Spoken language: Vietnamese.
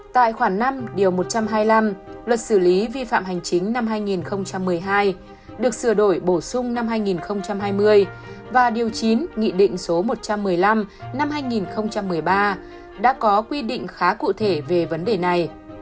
tại khoản năm điều một trăm hai mươi năm luật xử lý vi phạm hành chính năm hai nghìn một mươi hai được sửa đổi bổ sung năm hai nghìn hai mươi và điều chín nghị định số một trăm một mươi năm năm hai nghìn một mươi ba đã có quy định khá cụ thể về vấn đề này